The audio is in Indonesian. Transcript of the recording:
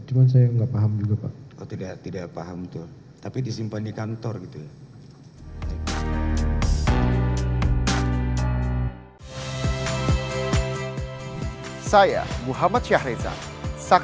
cuman saya nggak paham juga pak itu yang saya dengar disitu di kantor nasdem katanya sih pak